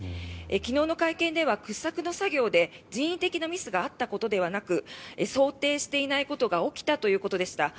昨日の会見では掘削の作業で人為的なミスがあったことではなく想定していないことが起きたということでした。